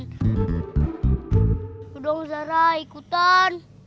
tunggu dong zara ikutan